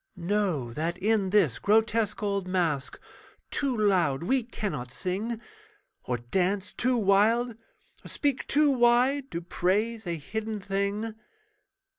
Know that in this grotesque old masque Too loud we cannot sing, Or dance too wild, or speak too wide To praise a hidden thing.